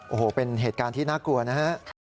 โอ้โหเป็นเหตุการณ์ที่น่ากลัวนะฮะ